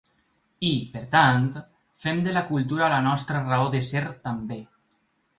I, per tant, fem de la cultura la nostra raó de ser també.